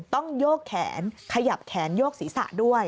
ต้องโยกแขนขยับแขนโยกศีรษะด้วย